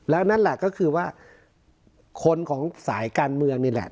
แล้วนั่นแหละก็คือว่าคนของสายการเมืองนี่แหละ